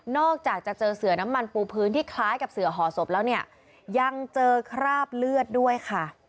อกจากจะเจอเสือน้ำมันปูพื้นที่คล้ายกับเสือห่อศพแล้วเนี่ยยังเจอคราบเลือดด้วยค่ะ